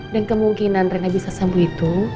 kemungkinan rena bisa sembuh itu